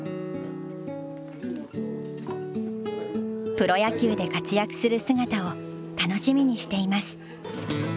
「プロ野球で活躍する姿を楽しみにしています」。